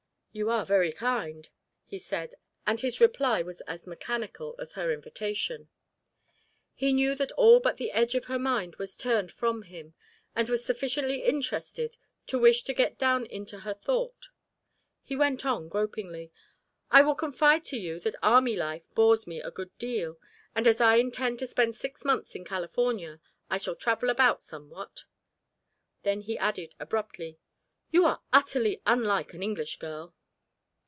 "You are very kind," he said, and his reply was as mechanical as her invitation. He knew that all but the edge of her mind was turned from him, and was sufficiently interested to wish to get down into her thought. He went on gropingly: "I will confide to you that army life bores me a good deal, and as I intend to spend six months in California, I shall travel about somewhat." Then he added abruptly: "You are utterly unlike an English girl."